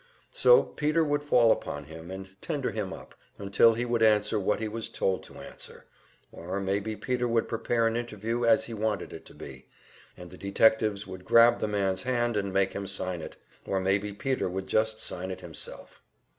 So Peter would fall upon him and "tender him up" until he would answer what he was told to answer; or maybe Peter would prepare an interview as he wanted it to be, and the detectives would grab the man's hand and make him sign it; or maybe Peter would just sign it himself.